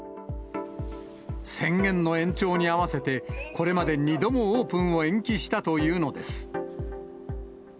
宣言の延長に合わせて、これまで２度もオープンを延期したというのです。